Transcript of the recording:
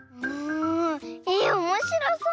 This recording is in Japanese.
えおもしろそう！